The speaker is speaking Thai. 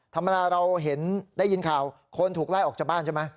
ธรรมดาเราเห็นได้ยินข่าวคนถูกไล่ออกจากบ้านใช่ไหม